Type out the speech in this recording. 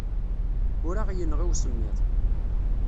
Ur aɣ-yenɣi usemmiḍ.